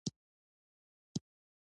کوچیان د افغانستان د طبیعت برخه ده.